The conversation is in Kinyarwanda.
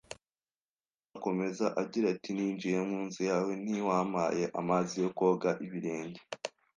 Yesu akomeza agira ati: «Ninjiye mu nzu yawe ntiwampaye amazi yo koga ibirenge,